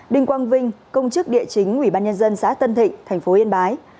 đình quang vinh công chức địa chính ubnd xã tân thịnh tp yên bái